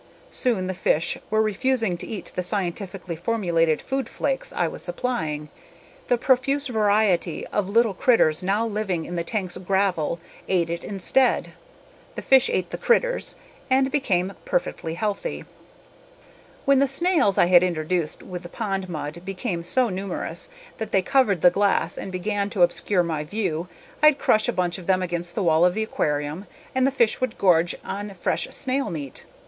Soon the fish were refusing to eat the scientifically formulated food flakes I was supplying. The profuse variety of little critters now living in the tank's gravel ate it instead. The fish ate the critters and became perfectly healthy. When the snails I had introduced with the pond mud became so numerous that they covered the glass and began to obscure my view, I'd crush a bunch of them against the wall of the aquarium and the fish would gorge on fresh snail meat.